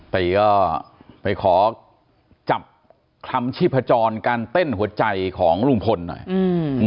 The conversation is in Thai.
ตีก็ไปขอจับคำชีพจรการเต้นหัวใจของลุงพลหน่อยอืม